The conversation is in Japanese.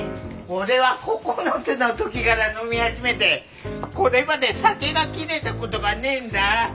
俺は９つの時から飲み始めてこれまで酒が切れた事がねえんだ。